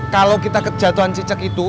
kalau kita kejatuhan cicak itu